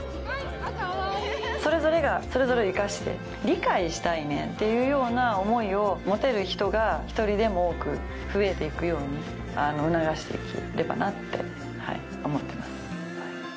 それぞれがそれぞれを生かして理解したいねっていうような思いを持てる人が一人でも多く増えていくように促していければなって思ってます